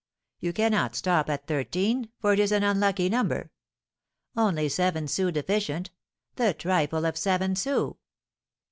You cannot stop at thirteen, for it is an unlucky number! Only seven sous deficient, the trifle of seven sous!